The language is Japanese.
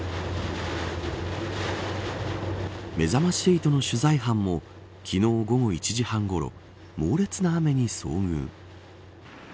めざまし８の取材班も昨日午後１時半ごろ猛烈な雨に遭遇。